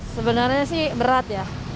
sebenarnya sih berat ya